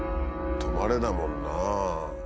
「止まれ」だもんな。